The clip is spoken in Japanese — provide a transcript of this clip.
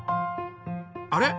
あれ？